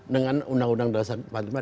dengan undang undang dasar